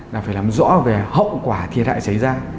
là phải làm rõ về hậu quả thiệt hại xảy ra